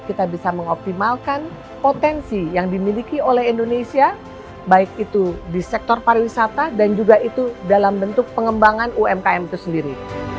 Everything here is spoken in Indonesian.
kita bisa mengoptimalkan potensi yang dimiliki oleh indonesia baik itu di sektor pariwisata dan juga itu dalam bentuk pengembangan umkm itu sendiri